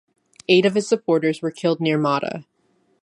Eight of his supporters were killed near Matta.